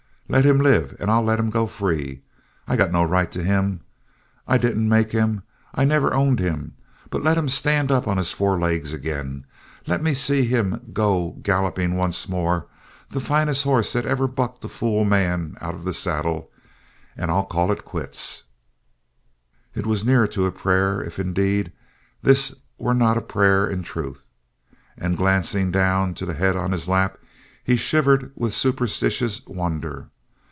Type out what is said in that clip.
Let him live and I'll let him go free. I got no right to him. I didn't make him. I never owned him. But let him stand up on his four legs again; let me see him go galloping once more, the finest hoss that ever bucked a fool man out of the saddle, and I'll call it quits!" It was near to a prayer, if indeed this were not a prayer in truth. And glancing down to the head on his lap, he shivered with superstitious wonder.